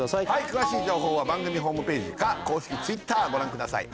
詳しい情報は番組ホームページか公式Ｔｗｉｔｔｅｒご覧ください